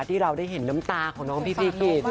ที่เราได้เห็นน้ำตาของน้องพีซีกี